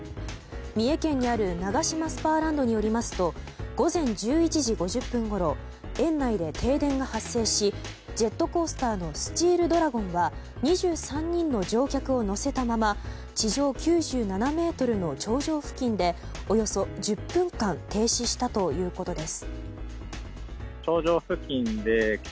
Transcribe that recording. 三重県にあるナガシマスパーランドによりますと午前１１時５０分ごろ園内で停電が発生しジェットコースターのスチールドラゴンは２３人の乗客を乗せたまま地上９７ｍの頂上付近でおよそ１０分間停止したということです。